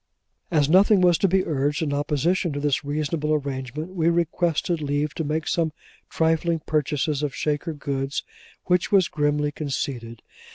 As nothing was to be urged in opposition to this reasonable arrangement, we requested leave to make some trifling purchases of Shaker goods; which was grimly conceded.